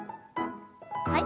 はい。